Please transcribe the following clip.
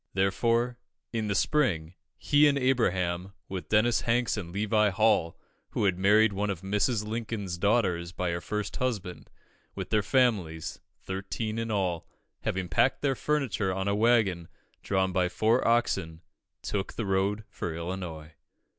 Therefore, in the spring, he and Abraham, with Dennis Hanks and Levi Hall, who had married one of Mrs. Lincoln's daughters by her first husband, with their families, thirteen in all, having packed their furniture on a waggon, drawn by four oxen, took the road for Illinois.